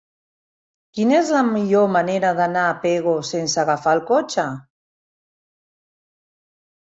Quina és la millor manera d'anar a Pego sense agafar el cotxe?